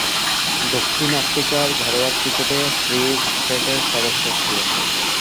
দক্ষিণ আফ্রিকার ঘরোয়া ক্রিকেটে ফ্রি স্টেটের সদস্য ছিলেন।